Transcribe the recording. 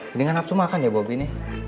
gini nggak napsu makan ya bu ini